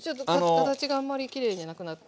形があんまりきれいじゃなくなった。